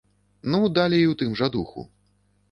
Ну далей у тым жа духу.